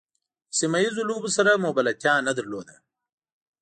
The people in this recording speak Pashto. له سیمه ییزو لوبو سره مو بلدتیا نه درلوده.